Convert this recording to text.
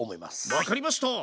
分かりました！